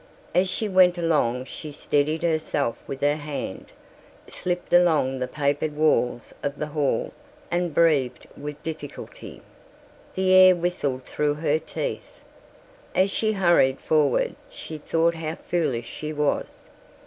As she went along she steadied herself with her hand, slipped along the papered walls of the hall and breathed with difficulty. The air whistled through her teeth. As she hurried forward she thought how foolish she was.